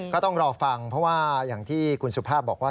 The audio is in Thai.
ก็ต้องรอฟังเพราะว่าอย่างที่คุณสุภาพบอกว่า